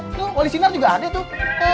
tuh wali sinar juga ada tuh